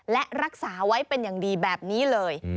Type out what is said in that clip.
และรักษาไว้เป็นอย่างดีแบบนี้เลย